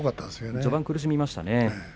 序盤は苦しみました。